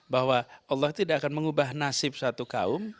bahwa allah tidak akan mengubah nasib suatu kaum